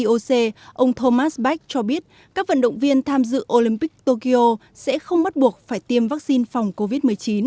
ông thomas bach cho biết các vận động viên tham dự olympic tokyo sẽ không bắt buộc phải tiêm vaccine phòng covid một mươi chín